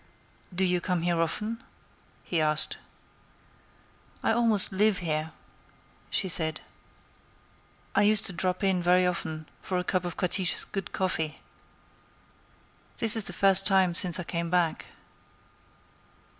"Do you come here often?" he asked. "I almost live here," she said. "I used to drop in very often for a cup of Catiche's good coffee. This is the first time since I came back."